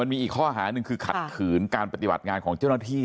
มีอีกข้อหาหนึ่งคือขัดขืนการปฏิบัติงานของเจ้าหน้าที่